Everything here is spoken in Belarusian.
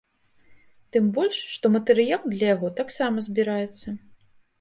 Тым больш, што матэрыял для яго таксама збіраецца.